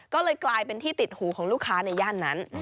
ก็เลยกลายเป็นที่ติดหูของลูกค้าในย่านนั้น